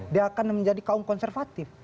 dia akan menjadi kaum konservatif